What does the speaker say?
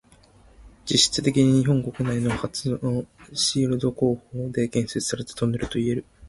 実質的に日本国内初のシールド工法で建設されたトンネルといえる。